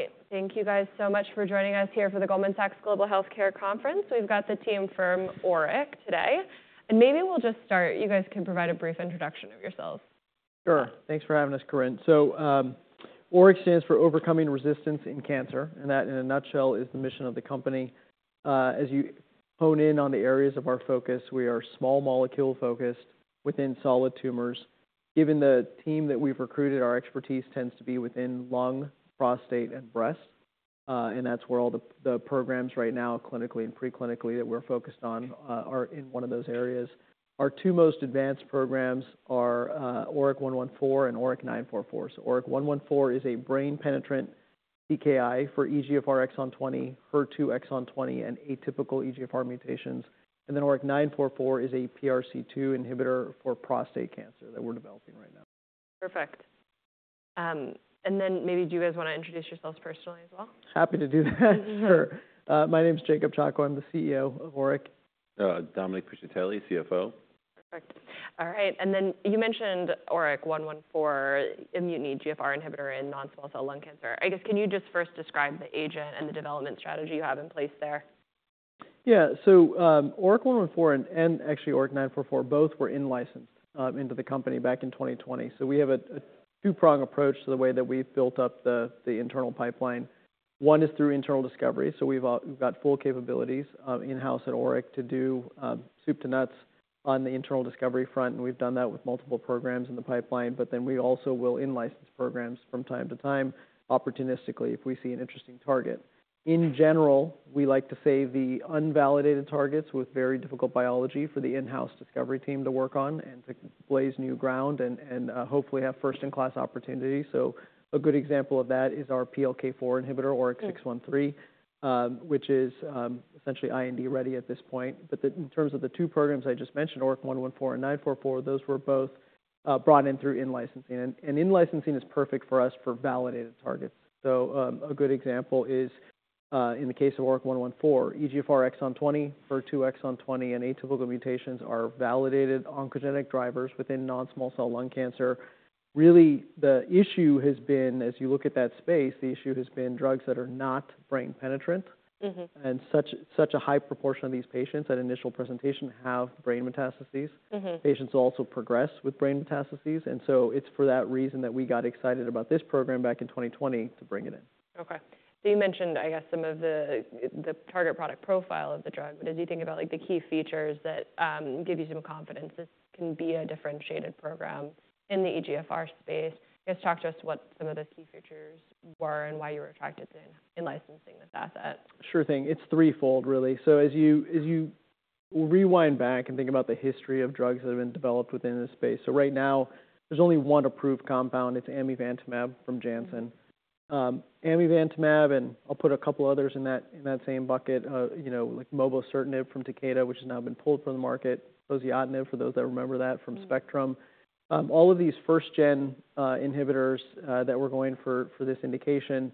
All right. Thank you guys so much for joining us here for the Goldman Sachs Global Healthcare Conference. We've got the team from ORIC today. Maybe we'll just start. You guys can provide a brief introduction of yourselves. Sure. Thanks for having us, Corinne. So ORIC stands for Overcoming Resistance in Cancer. And that, in a nutshell, is the mission of the company. As you hone in on the areas of our focus, we are small molecule focused within solid tumors. Given the team that we've recruited, our expertise tends to be within lung, prostate, and breast. And that's where all the programs right now, clinically and preclinically, that we're focused on are in one of those areas. Our two most advanced programs are ORIC-114 and ORIC-944. So ORIC-114 is a brain-penetrant TKI for EGFR exon 20, HER2 exon 20, and atypical EGFR mutations. And then ORIC-944 is a PRC2 inhibitor for prostate cancer that we're developing right now. Perfect. And then maybe do you guys want to introduce yourselves personally as well? Happy to do that. Sure. My name is Jacob Chacko. I'm the CEO of ORIC. Dominic Piscitelli, CFO. Perfect. All right. And then you mentioned ORIC-114, immune EGFR inhibitor in non-small cell lung cancer. I guess, can you just first describe the agent and the development strategy you have in place there? Yeah. So ORIC-114 and actually ORIC-944 both were in-licensed into the company back in 2020. So we have a two-prong approach to the way that we've built up the internal pipeline. One is through internal discovery. So we've got full capabilities in-house at ORIC to do soup to nuts on the internal discovery front. And we've done that with multiple programs in the pipeline. But then we also will in-license programs from time to time opportunistically if we see an interesting target. In general, we like to save the unvalidated targets with very difficult biology for the in-house discovery team to work on and to blaze new ground and hopefully have first-in-class opportunity. So a good example of that is our PLK4 inhibitor, ORIC-613, which is essentially IND-ready at this point. But in terms of the two programs I just mentioned, ORIC-114 and 944, those were both brought in through in-licensing. In-licensing is perfect for us for validated targets. A good example is in the case of ORIC-114, EGFR exon 20, HER2 exon 20, and atypical mutations are validated oncogenic drivers within non-small cell lung cancer. Really, the issue has been, as you look at that space, the issue has been drugs that are not brain-penetrant. Such a high proportion of these patients at initial presentation have brain metastases. Patients also progress with brain metastases. So it's for that reason that we got excited about this program back in 2020 to bring it in. Okay. So you mentioned, I guess, some of the target product profile of the drug. But as you think about the key features that give you some confidence, this can be a differentiated program in the EGFR space. I guess, talk to us what some of those key features were and why you were attracted to in-licensing this asset? Sure thing. It's threefold, really. So as you rewind back and think about the history of drugs that have been developed within this space, so right now, there's only one approved compound. It's amivantamab from Janssen. Amivantamab, and I'll put a couple others in that same bucket, like mobocertinib from Takeda, which has now been pulled from the market, poziotinib for those that remember that from Spectrum. All of these first-gen inhibitors that we're going for this indication,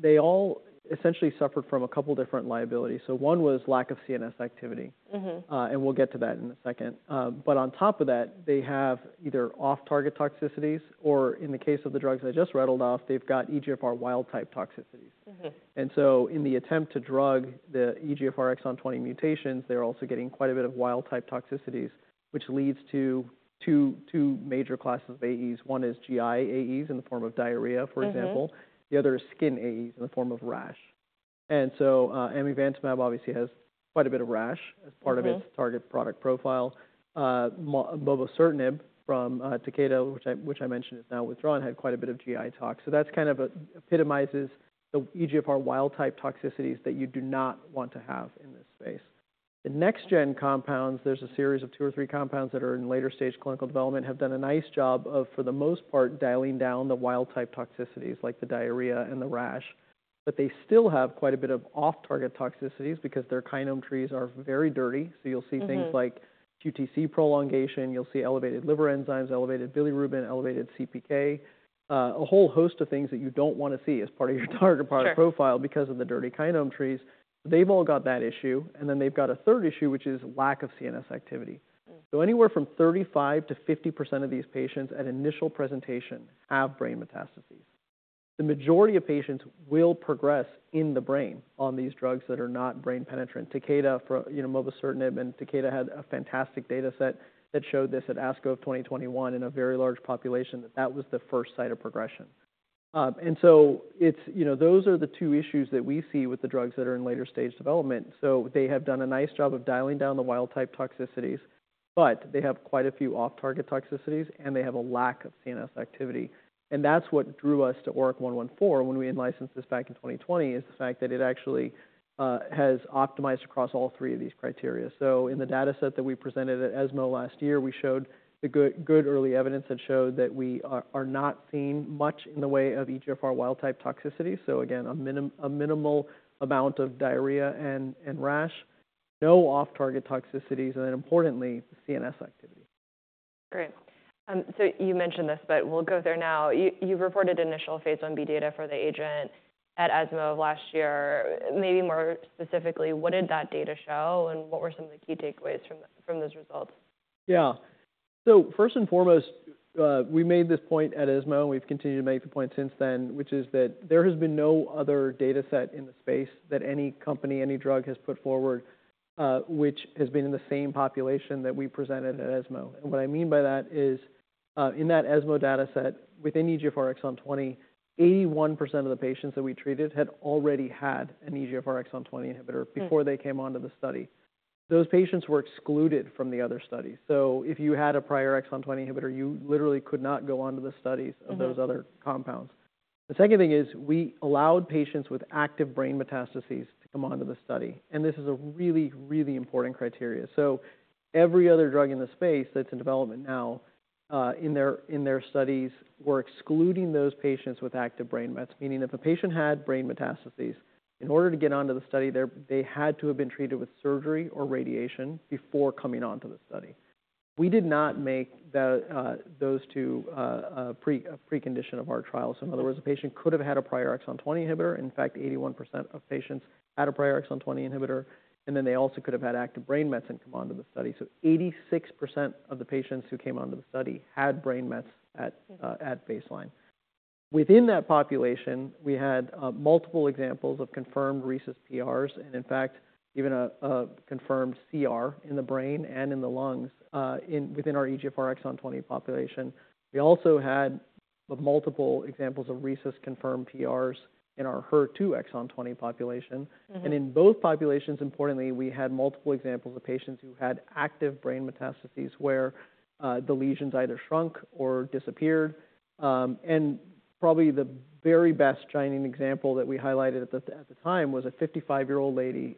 they all essentially suffered from a couple different liabilities. So one was lack of CNS activity. And we'll get to that in a second. But on top of that, they have either off-target toxicities or, in the case of the drugs I just rattled off, they've got EGFR wild-type toxicities. And so in the attempt to drug the EGFR exon 20 mutations, they're also getting quite a bit of wild-type toxicities, which leads to two major classes of AEs. One is GI AEs in the form of diarrhea, for example. The other is skin AEs in the form of rash. And so amivantamab obviously has quite a bit of rash as part of its target product profile. Mobocertinib from Takeda, which I mentioned is now withdrawn, had quite a bit of GI tox. So that kind of epitomizes the EGFR wild-type toxicities that you do not want to have in this space. The next-gen compounds, there's a series of two or three compounds that are in later-stage clinical development, have done a nice job of, for the most part, dialing down the wild-type toxicities like the diarrhea and the rash. They still have quite a bit of off-target toxicities because their kinome trees are very dirty. So you'll see things like QTc prolongation. You'll see elevated liver enzymes, elevated bilirubin, elevated CPK, a whole host of things that you don't want to see as part of your target product profile because of the dirty kinome trees. They've all got that issue. And then they've got a third issue, which is lack of CNS activity. So anywhere from 35%-50% of these patients at initial presentation have brain metastases. The majority of patients will progress in the brain on these drugs that are not brain-penetrant. Takeda, mobocertinib, and Takeda had a fantastic data set that showed this at ASCO of 2021 in a very large population that was the first site of progression. And so those are the two issues that we see with the drugs that are in later-stage development. So they have done a nice job of dialing down the wild-type toxicities. But they have quite a few off-target toxicities. And they have a lack of CNS activity. And that's what drew us to ORIC-114 when we in-licensed this back in 2020, is the fact that it actually has optimized across all three of these criteria. So in the data set that we presented at ESMO last year, we showed good early evidence that showed that we are not seeing much in the way of EGFR wild-type toxicities. So again, a minimal amount of diarrhea and rash, no off-target toxicities, and then importantly, the CNS activity. Great. So you mentioned this, but we'll go there now. You reported initial phase I-B data for the agent at ESMO last year. Maybe more specifically, what did that data show? And what were some of the key takeaways from those results? Yeah. So first and foremost, we made this point at ESMO, and we've continued to make the point since then, which is that there has been no other data set in the space that any company, any drug has put forward which has been in the same population that we presented at ESMO. And what I mean by that is in that ESMO data set within EGFR exon 20, 81% of the patients that we treated had already had an EGFR exon 20 inhibitor before they came onto the study. Those patients were excluded from the other studies. So if you had a prior exon 20 inhibitor, you literally could not go onto the studies of those other compounds. The second thing is we allowed patients with active brain metastases to come onto the study. And this is a really, really important criteria. So every other drug in the space that's in development now in their studies were excluding those patients with active brain mets, meaning if a patient had brain metastases, in order to get onto the study, they had to have been treated with surgery or radiation before coming onto the study. We did not make those two preconditions of our trials. In other words, a patient could have had a prior exon 20 inhibitor. In fact, 81% of patients had a prior exon 20 inhibitor. And then they also could have had active brain mets and come onto the study. So 86% of the patients who came onto the study had brain mets at baseline. Within that population, we had multiple examples of confirmed responses PRs and, in fact, even a confirmed CR in the brain and in the lungs within our EGFR exon 20 population. We also had multiple examples of RECIST-confirmed PRs in our HER2 exon 20 population. And in both populations, importantly, we had multiple examples of patients who had active brain metastases where the lesions either shrunk or disappeared. And probably the very best shining example that we highlighted at the time was a 55-year-old lady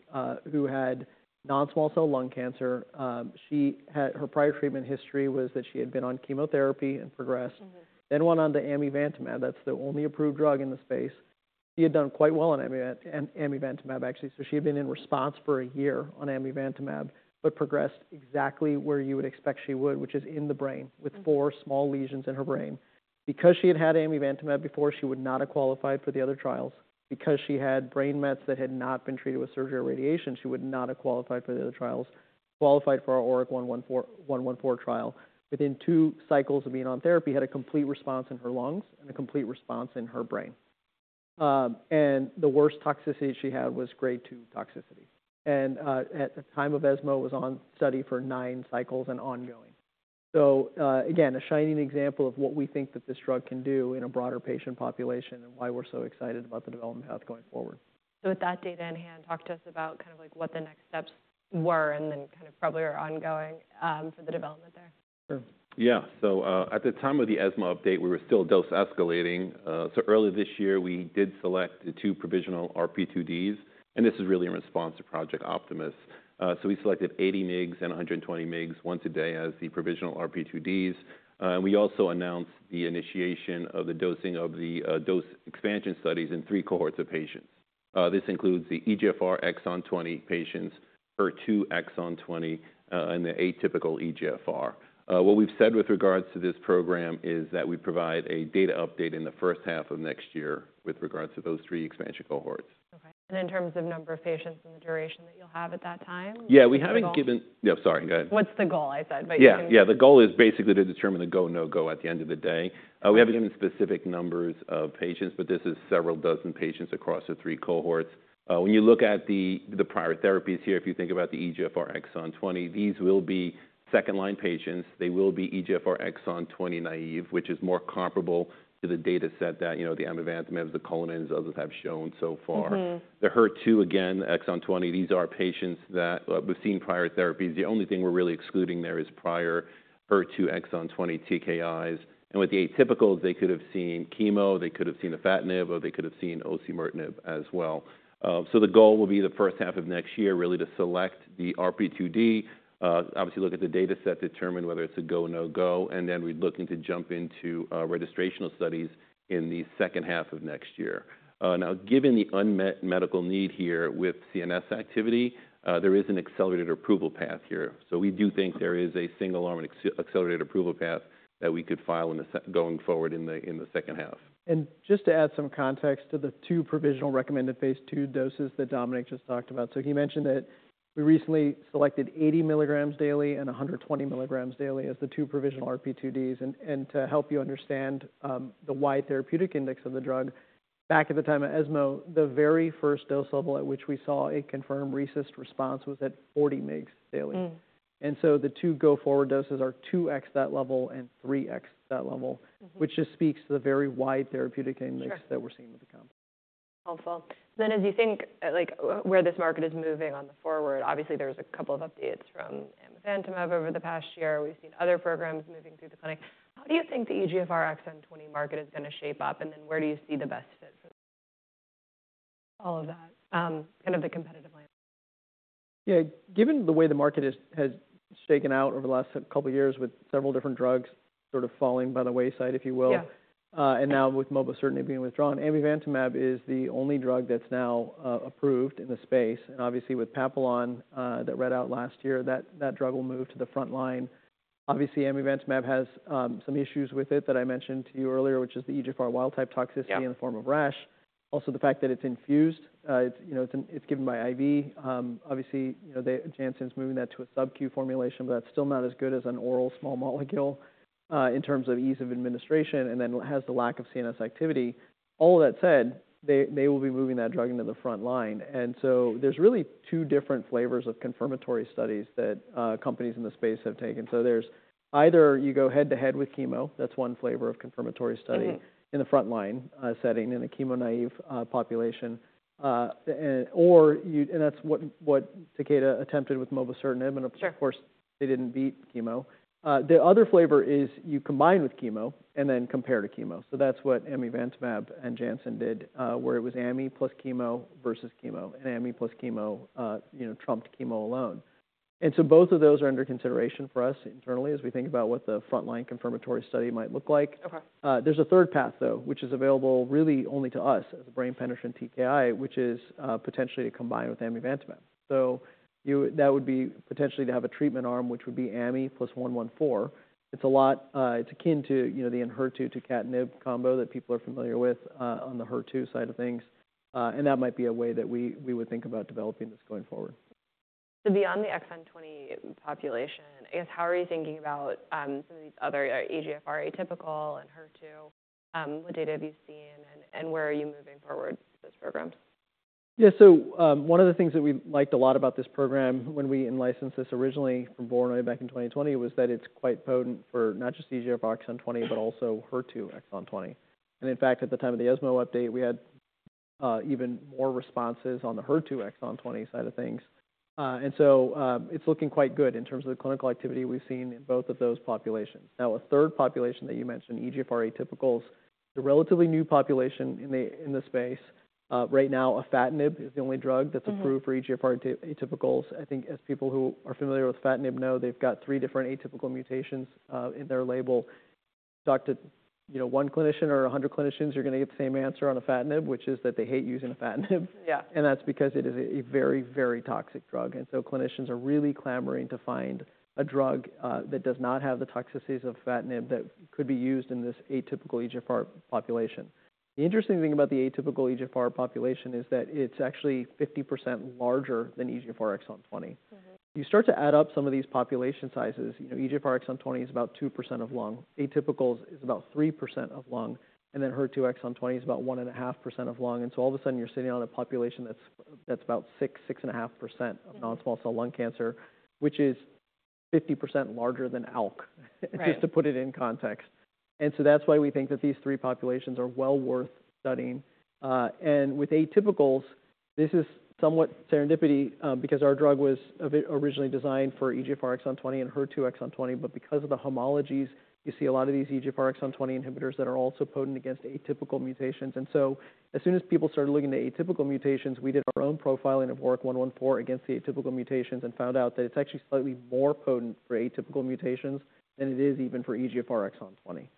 who had non-small cell lung cancer. Her prior treatment history was that she had been on chemotherapy and progressed, then went on to amivantamab. That's the only approved drug in the space. She had done quite well on amivantamab, actually. So she had been in response for a year on amivantamab but progressed exactly where you would expect she would, which is in the brain with four small lesions in her brain. Because she had had amivantamab before, she would not have qualified for the other trials. Because she had brain mets that had not been treated with surgery or radiation, she would not have qualified for the other trials, qualified for our ORIC-114 trial. Within two cycles of being on therapy, had a complete response in her lungs and a complete response in her brain. The worst toxicity she had was grade 2 toxicity. At the time of ESMO, was on study for 9 cycles and ongoing. So again, a shining example of what we think that this drug can do in a broader patient population and why we're so excited about the development path going forward. So with that data in hand, talk to us about kind of what the next steps were and then kind of probably are ongoing for the development there. Sure. Yeah. So at the time of the ESMO update, we were still dose escalating. So early this year, we did select the two provisional RP2Ds. And this is really in response to Project Optimus. So we selected 80 mg and 120 mg once a day as the provisional RP2Ds. And we also announced the initiation of the dosing of the dose expansion studies in three cohorts of patients. This includes the EGFR exon 20 patients, HER2 exon 20, and the atypical EGFR. What we've said with regards to this program is that we provide a data update in the first half of next year with regards to those three expansion cohorts. Okay. And in terms of number of patients and the duration that you'll have at that time? Yeah. We haven't given. Go ahead. No, sorry. Go ahead. What's the goal? I said, but you can go. Yeah. Yeah. The goal is basically to determine the go, no-go at the end of the day. We haven't given specific numbers of patients, but this is several dozen patients across the three cohorts. When you look at the prior therapies here, if you think about the EGFR exon 20, these will be second-line patients. They will be EGFR exon 20 naive, which is more comparable to the data set that the amivantamab, the poziotinib, others have shown so far. The HER2, again, exon 20, these are patients that we've seen prior therapies. The only thing we're really excluding there is prior HER2 exon 20 TKIs. And with the atypicals, they could have seen chemo, they could have seen afatinib, or they could have seen poziotinib as well. So the goal will be the first half of next year really to select the RP2D, obviously look at the data set, determine whether it's a go, no go, and then we're looking to jump into registrational studies in the second half of next year. Now, given the unmet medical need here with CNS activity, there is an accelerated approval path here. So we do think there is a single arm accelerated approval path that we could file going forward in the second half. Just to add some context to the two provisional recommended phase II doses that Dominic just talked about. So he mentioned that we recently selected 80 mg daily and 120 mg daily as the two provisional RP2Ds. And to help you understand the wide therapeutic index of the drug, back at the time of ESMO, the very first dose level at which we saw a confirmed RECIST response was at 40 mg daily. And so the two go-forward doses are 2x that level and 3x that level, which just speaks to the very wide therapeutic index that we're seeing with the compound. Helpful. So then as you think where this market is moving on the forward, obviously, there's a couple of updates from amivantamab over the past year. We've seen other programs moving through the clinic. How do you think the EGFR exon 20 market is going to shape up? And then where do you see the best fit for all of that, kind of the competitive landscape? Yeah. Given the way the market has shaken out over the last couple of years with several different drugs sort of falling by the wayside, if you will, and now with mobocertinib being withdrawn, Amivantamab is the only drug that's now approved in the space. And obviously, with PAPILLON that read out last year, that drug will move to the front line. Obviously, Amivantamab has some issues with it that I mentioned to you earlier, which is the EGFR wild-type toxicity in the form of rash. Also, the fact that it's infused. It's given by IV. Obviously, Janssen's moving that to a SubQ formulation, but that's still not as good as an oral small molecule in terms of ease of administration and then has the lack of CNS activity. All of that said, they will be moving that drug into the front line. And so there's really two different flavors of confirmatory studies that companies in the space have taken. So there's either you go head to head with chemo. That's one flavor of confirmatory study in the front line setting in the chemo naive population. And that's what Takeda attempted with mobocertinib. And of course, they didn't beat chemo. The other flavor is you combine with chemo and then compare to chemo. So that's what amivantamab and Janssen did, where it was Ami plus chemo versus chemo. And Ami plus chemo trumped chemo alone. And so both of those are under consideration for us internally as we think about what the front line confirmatory study might look like. There's a third path, though, which is available really only to us as a brain-penetrating TKI, which is potentially to combine with amivantamab. So that would be potentially to have a treatment arm, which would be amivantamab plus ORIC-114. It's a lot. It's akin to the HER2 tucatinib combo that people are familiar with on the HER2 side of things. And that might be a way that we would think about developing this going forward. Beyond the exon 20 population, I guess, how are you thinking about some of these other EGFR atypical and HER2? What data have you seen? Where are you moving forward with those programs? Yeah. So one of the things that we liked a lot about this program when we in-licensed this originally from Voronoi back in 2020 was that it's quite potent for not just EGFR exon 20, but also HER2 exon 20. And in fact, at the time of the ESMO update, we had even more responses on the HER2 exon 20 side of things. And so it's looking quite good in terms of the clinical activity we've seen in both of those populations. Now, a third population that you mentioned, EGFR atypicals, the relatively new population in the space. Right now, afatinib is the only drug that's approved for EGFR atypicals. I think as people who are familiar with afatinib know, they've got three different atypical mutations in their label. Talk to one clinician or 100 clinicians, you're going to get the same answer on Afatinib, which is that they hate using Afatinib. And that's because it is a very, very toxic drug. And so clinicians are really clamoring to find a drug that does not have the toxicities of Afatinib that could be used in this atypical EGFR population. The interesting thing about the atypical EGFR population is that it's actually 50% larger than EGFR exon 20. You start to add up some of these population sizes. EGFR exon 20 is about 2% of lung. Atypicals is about 3% of lung. And then HER2 exon 20 is about 1.5% of lung. And so all of a sudden, you're sitting on a population that's about 6%-6.5% of non-small cell lung cancer, which is 50% larger than ALK, just to put it in context. So that's why we think that these three populations are well worth studying. And with atypicals, this is somewhat serendipity because our drug was originally designed for EGFR exon 20 and HER2 exon 20. But because of the homologies, you see a lot of these EGFR exon 20 inhibitors that are also potent against atypical mutations. And so as soon as people started looking at atypical mutations, we did our own profiling of ORIC-114 against the atypical mutations and found out that it's actually slightly more potent for atypical mutations than it is even for EGFR exon 20.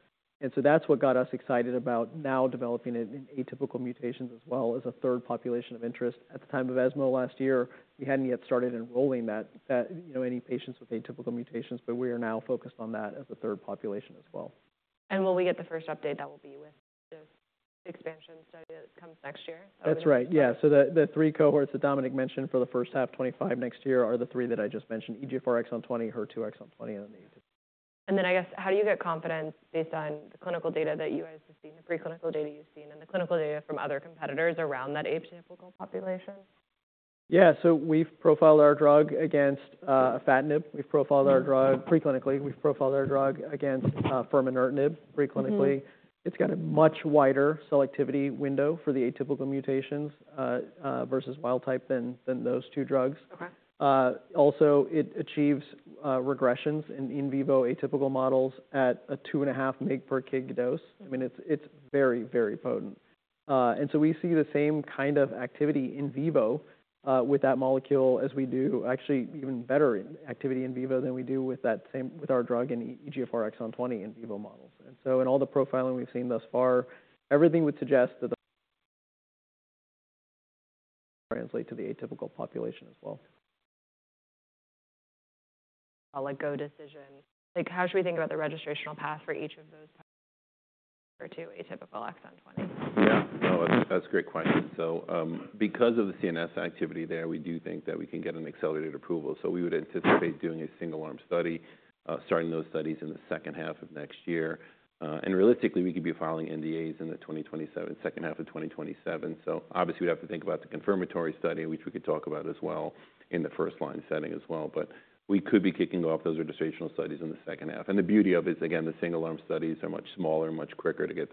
And so that's what got us excited about now developing it in atypical mutations as well as a third population of interest. At the time of ESMO last year, we hadn't yet started enrolling any patients with atypical mutations, but we are now focused on that as a third population as well. When we get the first update, that will be with the expansion study that comes next year. That's right. Yeah. So the three cohorts that Dominic mentioned for the first half, 2025 next year are the three that I just mentioned: EGFR exon 20, HER2 exon 20, and then the atypical. And then I guess, how do you get confidence based on the clinical data that you guys have seen, the preclinical data you've seen, and the clinical data from other competitors around that atypical population? Yeah. So we've profiled our drug against afatinib. We've profiled our drug preclinically. We've profiled our drug against furmonertinib preclinically. It's got a much wider selectivity window for the atypical mutations versus wild-type than those two drugs. Also, it achieves regressions in in vivo atypical models at a 2.5 mg per kg dose. I mean, it's very, very potent. And so we see the same kind of activity in vivo with that molecule as we do actually even better activity in vivo than we do with our drug in EGFR exon 20 in vivo models. And so in all the profiling we've seen thus far, everything would suggest that they translate to the atypical population as well. I'll let go decision. How should we think about the registrational path for each of those two atypical exon 20? Yeah. No, that's a great question. So because of the CNS activity there, we do think that we can get an accelerated approval. So we would anticipate doing a single arm study, starting those studies in the second half of next year. And realistically, we could be filing NDAs in the second half of 2027. So obviously, we'd have to think about the confirmatory study, which we could talk about as well in the first line setting as well. But we could be kicking off those registrational studies in the second half. And the beauty of it is, again, the single arm studies are much smaller, much quicker to get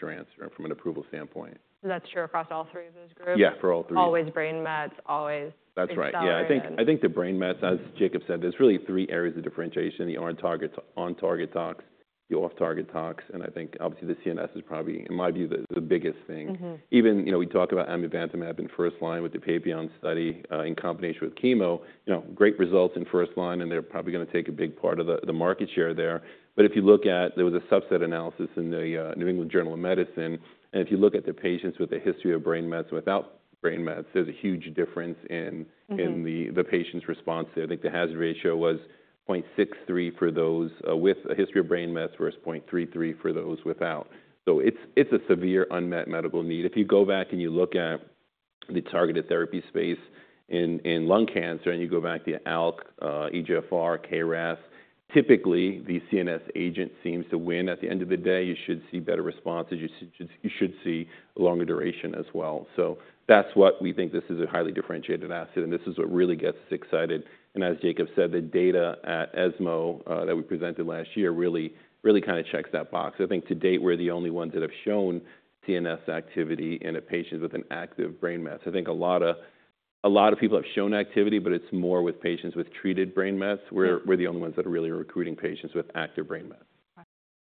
your answer from an approval standpoint. So that's true across all three of those groups? Yeah, for all three. Always brain mets, always exon mets. That's right. Yeah. I think the brain mets, as Jacob said, there's really three areas of differentiation: the on-target tox, the off-target tox. And I think obviously the CNS is probably, in my view, the biggest thing. Even we talk about amivantamab in first line with the PAPILLON study in combination with chemo, great results in first line, and they're probably going to take a big part of the market share there. But if you look at, there was a subset analysis in the New England Journal of Medicine. And if you look at the patients with a history of brain mets and without brain mets, there's a huge difference in the patient's response there. I think the hazard ratio was 0.63 for those with a history of brain mets versus 0.33 for those without. So it's a severe unmet medical need. If you go back and you look at the targeted therapy space in lung cancer and you go back to the ALK, EGFR, KRAS, typically the CNS agent seems to win at the end of the day. You should see better responses. You should see a longer duration as well. So that's what we think this is a highly differentiated asset. And this is what really gets us excited. And as Jacob said, the data at ESMO that we presented last year really kind of checks that box. I think to date, we're the only ones that have shown CNS activity in patients with an active brain mets. I think a lot of people have shown activity, but it's more with patients with treated brain mets. We're the only ones that are really recruiting patients with active brain mets.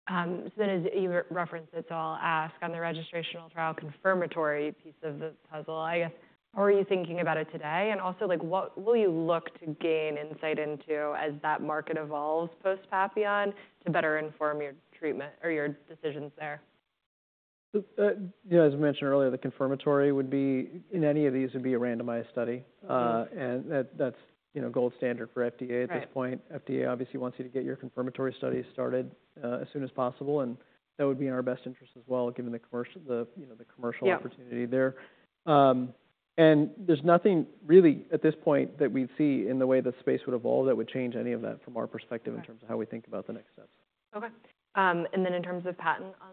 So then as you referenced it, so I'll ask on the registrational trial confirmatory piece of the puzzle, I guess, how are you thinking about it today? And also, what will you look to gain insight into as that market evolves post-PAPILLON to better inform your treatment or your decisions there? As I mentioned earlier, the confirmatory would be in any of these would be a randomized study. That's gold standard for FDA at this point. FDA obviously wants you to get your confirmatory studies started as soon as possible. That would be in our best interest as well, given the commercial opportunity there. There's nothing really at this point that we'd see in the way the space would evolve that would change any of that from our perspective in terms of how we think about the next steps. Okay. And then in terms of patent on.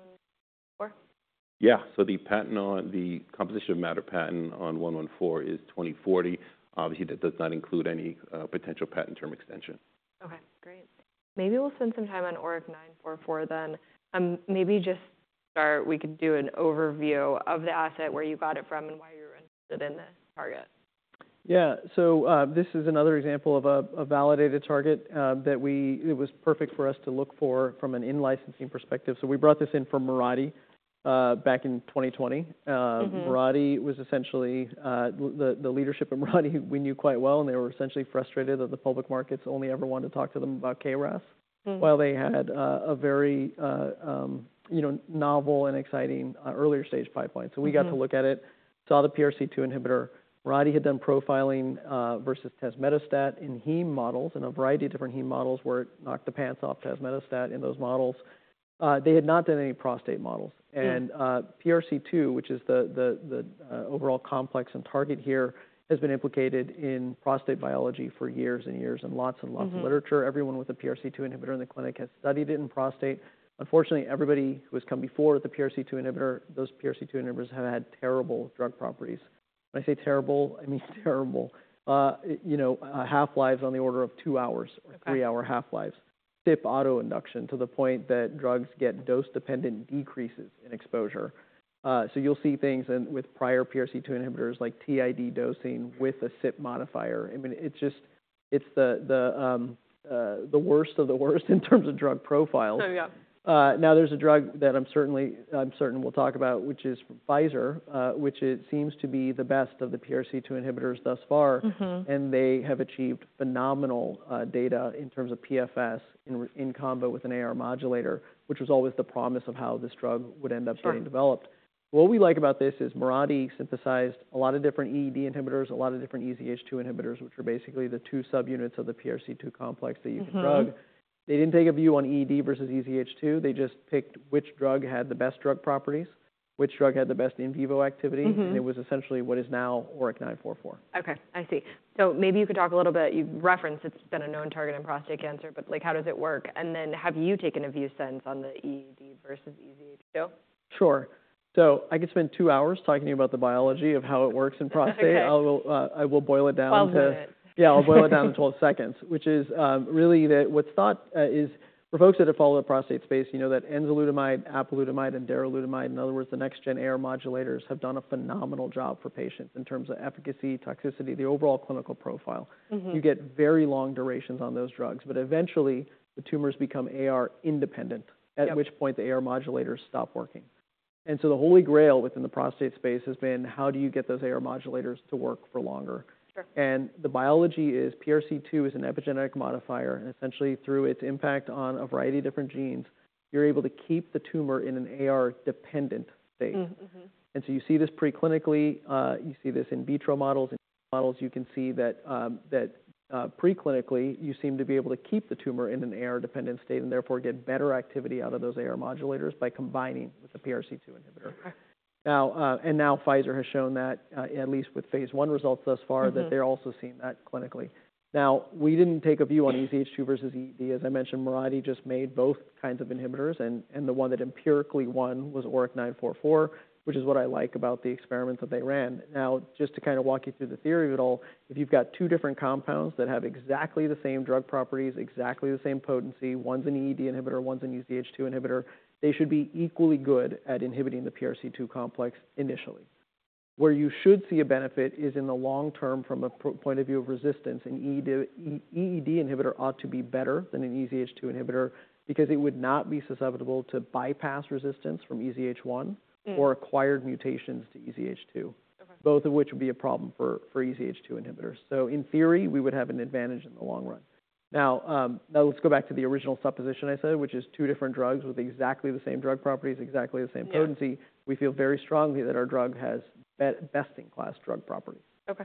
Yeah. So the composition of matter patent on 114 is 2040. Obviously, that does not include any potential patent term extension. Okay. Great. Maybe we'll spend some time on ORIC-944 then. Maybe just to start, we could do an overview of the asset where you got it from and why you're interested in this target. Yeah. So this is another example of a validated target that it was perfect for us to look for from an in-licensing perspective. So we brought this in from Mirati back in 2020. Mirati was essentially the leadership at Mirati we knew quite well. And they were essentially frustrated that the public markets only ever wanted to talk to them about KRAS while they had a very novel and exciting earlier stage pipeline. So we got to look at it, saw the PRC2 inhibitor. Mirati had done profiling versus tazemetostat in heme models and a variety of different heme models where it knocked the pants off tazemetostat in those models. They had not done any prostate models. And PRC2, which is the overall complex and target here, has been implicated in prostate biology for years and years and lots and lots of literature. Everyone with a PRC2 inhibitor in the clinic has studied it in prostate. Unfortunately, everybody who has come before the PRC2 inhibitor, those PRC2 inhibitors have had terrible drug properties. When I say terrible, I mean terrible. Half-lives on the order of two hours or three hour half-lives. CYP auto-induction to the point that drugs get dose-dependent decreases in exposure. So you'll see things with prior PRC2 inhibitors like TID dosing with a CYP modifier. I mean, it's just the worst of the worst in terms of drug profiles. Now, there's a drug that I'm certain we'll talk about, which is Pfizer, which seems to be the best of the PRC2 inhibitors thus far. And they have achieved phenomenal data in terms of PFS in combo with an AR modulator, which was always the promise of how this drug would end up getting developed. What we like about this is Mirati synthesized a lot of different EED inhibitors, a lot of different EZH2 inhibitors, which are basically the two subunits of the PRC2 complex that you can drug. They didn't take a view on EED versus EZH2. They just picked which drug had the best drug properties, which drug had the best in vivo activity. And it was essentially what is now ORIC-944. Okay. I see. So maybe you could talk a little bit. You've referenced it's been a known target in prostate cancer, but how does it work? And then have you taken a view since on the EED versus EZH2? Sure. So I could spend two hours talking to you about the biology of how it works in prostate. I will boil it down to. While doing it. Yeah, I'll boil it down to 12 seconds, which is really what's thought is for folks that have followed the prostate space. You know that enzalutamide, apalutamide, and darolutamide, in other words, the next-gen AR modulators have done a phenomenal job for patients in terms of efficacy, toxicity, the overall clinical profile. You get very long durations on those drugs. But eventually, the tumors become AR independent, at which point the AR modulators stop working. And so the holy grail within the prostate space has been how do you get those AR modulators to work for longer? And the biology is PRC2 is an epigenetic modifier. And essentially, through its impact on a variety of different genes, you're able to keep the tumor in an AR dependent state. And so you see this preclinically. You see this in vitro models. You can see that preclinically, you seem to be able to keep the tumor in an AR dependent state and therefore get better activity out of those AR modulators by combining with the PRC2 inhibitor. And now Pfizer has shown that, at least with phase I results thus far, that they're also seeing that clinically. Now, we didn't take a view on EZH2 versus EED. As I mentioned, Mirati just made both kinds of inhibitors. And the one that empirically won was ORIC-944, which is what I like about the experiments that they ran. Now, just to kind of walk you through the theory of it all, if you've got two different compounds that have exactly the same drug properties, exactly the same potency, one's an EED inhibitor, one's an EZH2 inhibitor, they should be equally good at inhibiting the PRC2 complex initially. Where you should see a benefit is in the long term from a point of view of resistance. An EED inhibitor ought to be better than an EZH2 inhibitor because it would not be susceptible to bypass resistance from EZH1 or acquired mutations to EZH2, both of which would be a problem for EZH2 inhibitors. So in theory, we would have an advantage in the long run. Now, let's go back to the original supposition I said, which is two different drugs with exactly the same drug properties, exactly the same potency. We feel very strongly that our drug has best-in-class drug properties. Okay.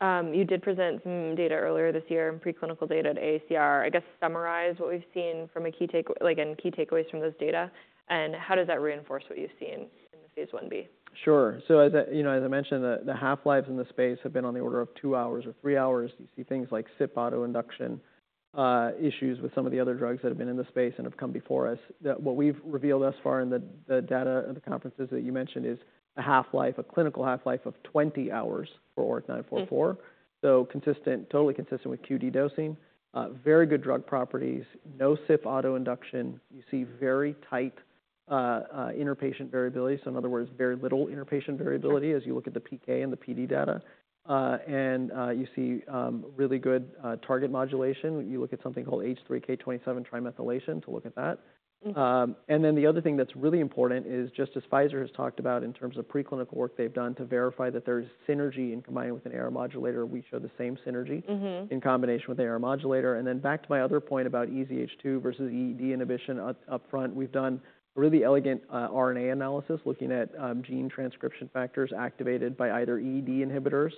You did present some data earlier this year, preclinical data at AACR. I guess summarize what we've seen from key takeaways from those data. And how does that reinforce what you've seen in the phase I-B? Sure. So as I mentioned, the half-lives in the space have been on the order of two hours or three hours. You see things like CYP auto-induction issues with some of the other drugs that have been in the space and have come before us. What we've revealed thus far in the data and the conferences that you mentioned is a clinical half-life of 20 hours for ORIC-944. So totally consistent with QD dosing. Very good drug properties. No CYP auto-induction. You see very tight interpatient variability. So in other words, very little interpatient variability as you look at the PK and the PD data. And you see really good target modulation. You look at something called H3K27 trimethylation to look at that. And then the other thing that's really important is just as Pfizer has talked about in terms of preclinical work they've done to verify that there's synergy in combining with an AR modulator, we show the same synergy in combination with the AR modulator. And then back to my other point about EZH2 versus EED inhibition upfront, we've done a really elegant RNA analysis looking at gene transcription factors activated by either EED inhibitors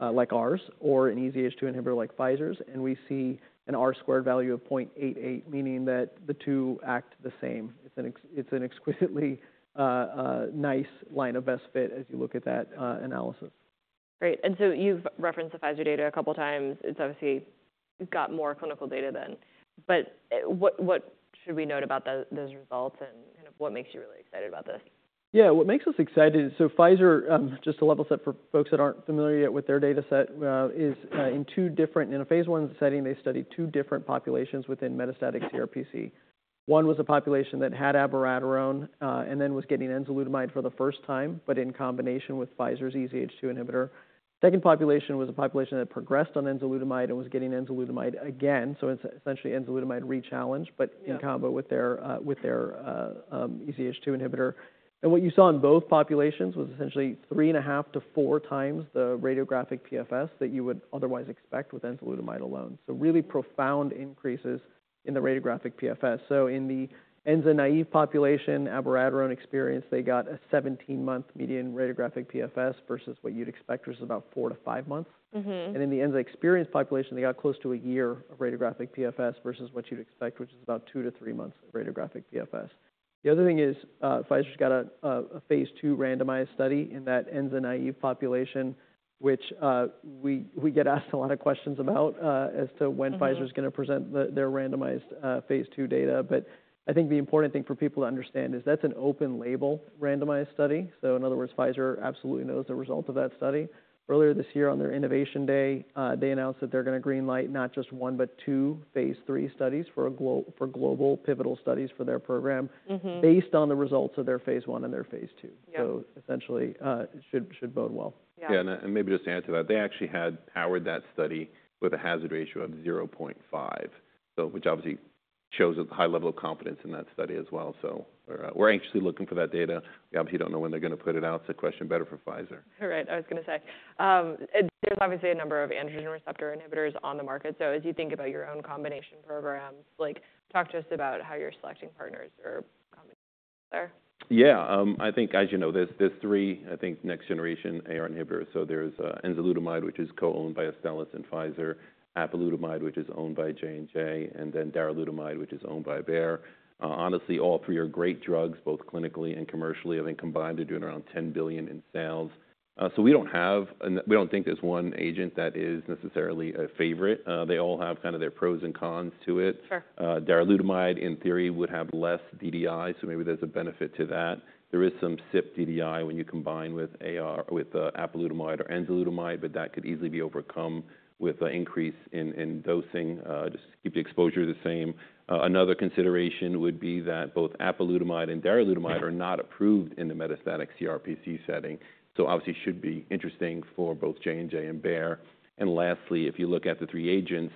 like ours or an EZH2 inhibitor like Pfizer's. And we see an R-squared value of 0.88, meaning that the two act the same. It's an exquisitely nice line of best fit as you look at that analysis. Great. So you've referenced the Pfizer data a couple of times. It's obviously got more clinical data than. But what should we note about those results and kind of what makes you really excited about this? Yeah. What makes us excited is so Pfizer, just to level set for folks that aren't familiar yet with their data set, is in a phase I setting, they studied two different populations within metastatic CRPC. One was a population that had abiraterone and then was getting enzalutamide for the first time, but in combination with Pfizer's EZH2 inhibitor. Second population was a population that progressed on enzalutamide and was getting enzalutamide again. So it's essentially enzalutamide re-challenged, but in combo with their EZH2 inhibitor. And what you saw in both populations was essentially 3.5-4 times the radiographic PFS that you would otherwise expect with enzalutamide alone. So really profound increases in the radiographic PFS. So in the enzalutamide-naive population, abiraterone experience, they got a 17-month median radiographic PFS versus what you'd expect, which is about 4-5 months. In the enzalutamide experienced population, they got close to a year of radiographic PFS versus what you'd expect, which is about 2-3 months of radiographic PFS. The other thing is Pfizer's got a phase II randomized study in that enzalutamide naive population, which we get asked a lot of questions about as to when Pfizer's going to present their randomized phase II data. But I think the important thing for people to understand is that's an open label randomized study. So in other words, Pfizer absolutely knows the result of that study. Earlier this year on their innovation day, they announced that they're going to greenlight not just one, but two phase III studies for global pivotal studies for their program based on the results of their phase I and their phase II. So essentially, it should bode well. Yeah. Maybe just to add to that, they actually had powered that study with a hazard ratio of 0.5, which obviously shows a high level of confidence in that study as well. So we're anxiously looking for that data. We obviously don't know when they're going to put it out. It's a question better for Pfizer. All right. I was going to say there's obviously a number of androgen receptor inhibitors on the market. So as you think about your own combination programs, talk to us about how you're selecting partners or combinations there. Yeah. I think, as you know, there's three, I think, next-generation AR inhibitors. So there's enzalutamide, which is co-owned by Astellas and Pfizer, apalutamide, which is owned by J&J, and then darolutamide, which is owned by Bayer. Honestly, all three are great drugs, both clinically and commercially. I think combined, they're doing around $10 billion in sales. So we don't have we don't think there's one agent that is necessarily a favorite. They all have kind of their pros and cons to it. Darolutamide, in theory, would have less DDI, so maybe there's a benefit to that. There is some CYP DDI when you combine with apalutamide or enzalutamide, but that could easily be overcome with an increase in dosing just to keep the exposure the same. Another consideration would be that both apalutamide and darolutamide are not approved in the metastatic CRPC setting. Obviously, it should be interesting for both J&J and Bayer. And lastly, if you look at the three agents,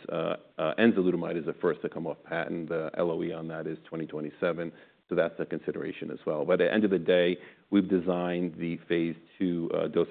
enzalutamide is the first to come off patent. The LOE on that is 2027. So that's a consideration as well. But at the end of the day, we've designed the phase II dose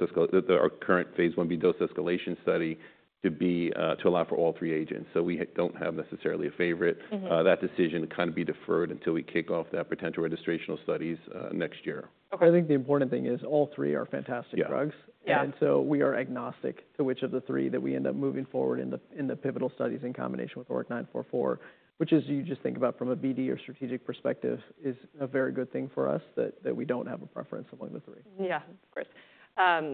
our current phase I-B dose escalation study to allow for all three agents. So we don't have necessarily a favorite. That decision kind of be deferred until we kick off that potential registrational studies next year. I think the important thing is all three are fantastic drugs. And so we are agnostic to which of the three that we end up moving forward in the pivotal studies in combination with ORIC-944, which is, you just think about from a BD or strategic perspective is a very good thing for us that we don't have a preference among the three. Yeah, of course.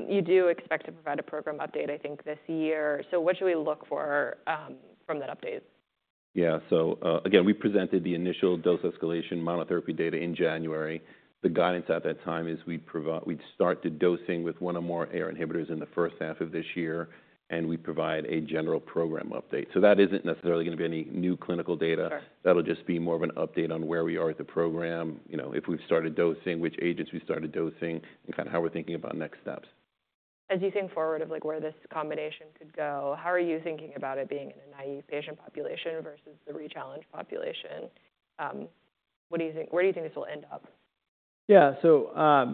You do expect to provide a program update, I think, this year. So what should we look for from that update? Yeah. So again, we presented the initial dose escalation monotherapy data in January. The guidance at that time is we'd start the dosing with one or more AR inhibitors in the first half of this year. And we provide a general program update. So that isn't necessarily going to be any new clinical data. That'll just be more of an update on where we are with the program, if we've started dosing, which agents we've started dosing, and kind of how we're thinking about next steps. As you think forward of where this combination could go, how are you thinking about it being in a naive patient population versus the re-challenge population? Where do you think this will end up? Yeah. So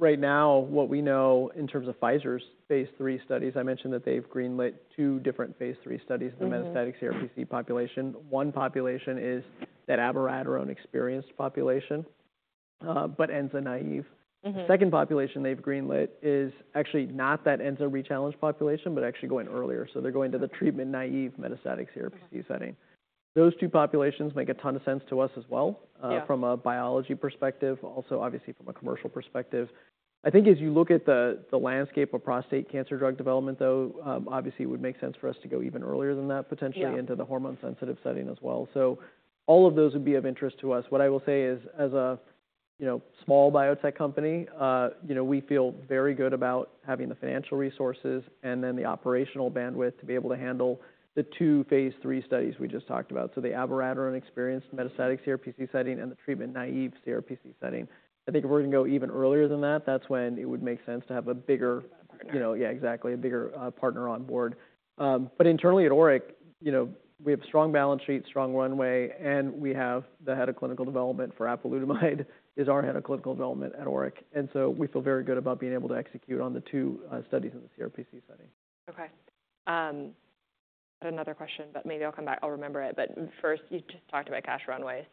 right now, what we know in terms of Pfizer's phase III studies, I mentioned that they've greenlit two different phase III studies in the metastatic CRPC population. One population is that abiraterone experienced population, but enza-naive. The second population they've greenlit is actually not that enza re-challenge population, but actually going earlier. So they're going to the treatment-naive metastatic CRPC setting. Those two populations make a ton of sense to us as well from a biology perspective, also obviously from a commercial perspective. I think as you look at the landscape of prostate cancer drug development, though, obviously it would make sense for us to go even earlier than that, potentially into the hormone-sensitive setting as well. So all of those would be of interest to us. What I will say is as a small biotech company, we feel very good about having the financial resources and then the operational bandwidth to be able to handle the two phase III studies we just talked about. So the abiraterone experienced metastatic CRPC setting and the treatment naive CRPC setting. I think if we're going to go even earlier than that, that's when it would make sense to have a bigger, yeah, exactly, a bigger partner on board. But internally at ORIC, we have a strong balance sheet, strong runway, and we have the head of clinical development for apalutamide is our head of clinical development at ORIC. And so we feel very good about being able to execute on the two studies in the CRPC setting. Okay. I had another question, but maybe I'll come back. I'll remember it. But first, you just talked about cash runway.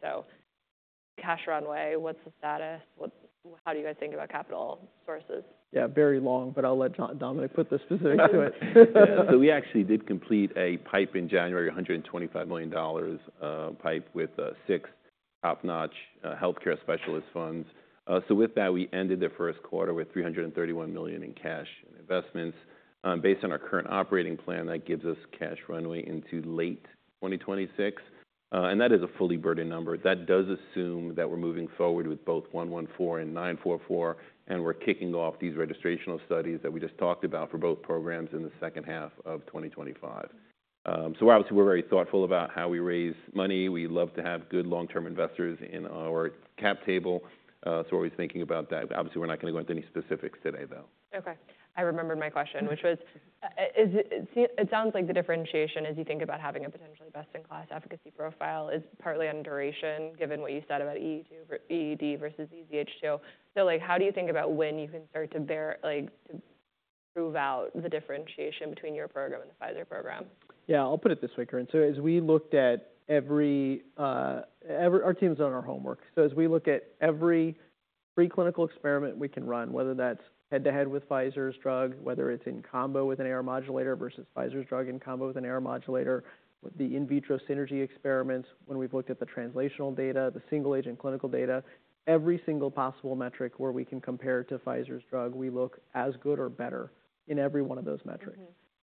Cash runway, what's the status? How do you guys think about capital sources? Yeah, very long, but I'll let Dominic put the specifics to it. So we actually did complete a PIPE in January, $125 million PIPE with six top-notch healthcare specialist funds. So with that, we ended the first quarter with $331 million in cash investments. Based on our current operating plan, that gives us cash runway into late 2026. And that is a fully burdened number. That does assume that we're moving forward with both 114 and 944, and we're kicking off these registrational studies that we just talked about for both programs in the second half of 2025. So obviously, we're very thoughtful about how we raise money. We love to have good long-term investors in our cap table. So we're always thinking about that. Obviously, we're not going to go into any specifics today, though. Okay. I remembered my question, which was, it sounds like the differentiation as you think about having a potentially best-in-class efficacy profile is partly on duration, given what you said about EED versus EZH2. So how do you think about when you can start to prove out the differentiation between your program and the Pfizer program? Yeah. I'll put it this way, Corinne. So as we looked at every, our team's done our homework. So as we look at every preclinical experiment we can run, whether that's head-to-head with Pfizer's drug, whether it's in combo with an AR modulator versus Pfizer's drug in combo with an AR modulator, the in vitro synergy experiments, when we've looked at the translational data, the single-agent clinical data, every single possible metric where we can compare to Pfizer's drug, we look as good or better in every one of those metrics.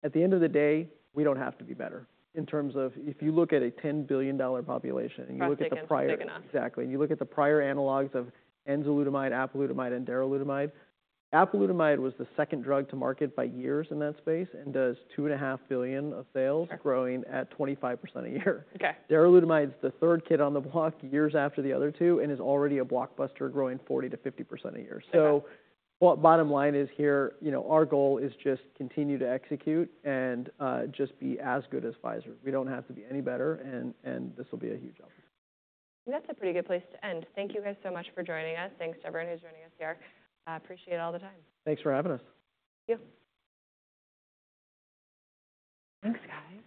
At the end of the day, we don't have to be better in terms of if you look at a $10 billion population and you look at the prior. That's not big enough. Exactly. And you look at the prior analogs of enzalutamide, apalutamide, and darolutamide, apalutamide was the second drug to market by years in that space and does $2.5 billion of sales, growing at 25% a year. Darolutamide is the third kid on the block years after the other two and is already a blockbuster, growing 40%-50% a year. So bottom line is here, our goal is just continue to execute and just be as good as Pfizer. We don't have to be any better, and this will be a huge help. That's a pretty good place to end. Thank you guys so much for joining us. Thanks to everyone who's joining us here. Appreciate all the time. Thanks for having us. Thank you. Thanks, guys.